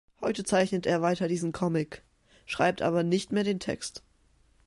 Heute zeichnet er weiter diesen Comic, schreibt aber nicht mehr den Text.